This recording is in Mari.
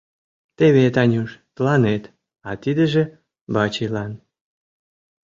Теве, Танюш, тыланет, а тидыже Вачийлан.